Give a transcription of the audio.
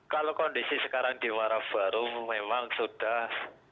kalau kondisi sekarang di marabarung memang sudah